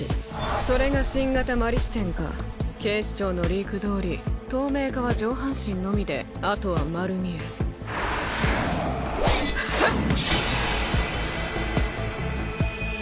それが新型摩利支天か警視庁のリークどおり透明化は上半身のみであとは丸見えフッ！